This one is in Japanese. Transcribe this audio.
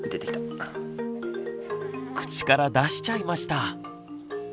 口から出しちゃいました。